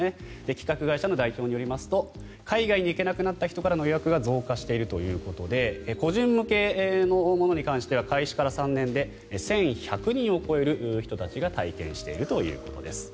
企画会社の代表によりますと海外に行けなくなった人からの予約が増加しているということで個人向けのものに関しては開始から３年で１１００人を超える人たちが体験しているということです。